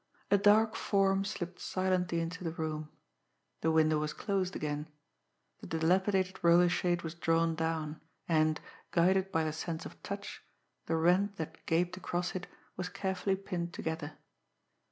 A dark form slipped silently into the room. The window was closed again. The dilapidated roller shade was drawn down, and, guided by the sense of touch, the rent that gaped across it was carefully pinned together.